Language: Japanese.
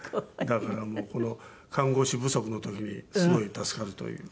だからこの看護師不足の時にすごい助かるという。